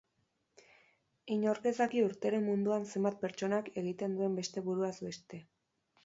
Inork ez daki urtero munduan zenbat pertsonak egiten duen bere buruaz beste.